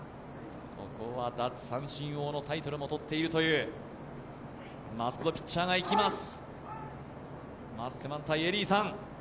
ここは奪三振王のタイトルもとっているというマスク・ド・ピッチャーがいきます。